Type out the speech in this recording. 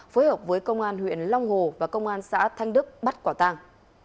phối hợp với công an huyện long hồ và công an xã thanh đức bắt quả tàng